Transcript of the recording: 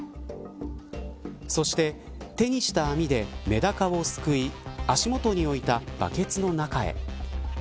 そして、手にした網でメダカをすくい足元に置いたバケツの中へ。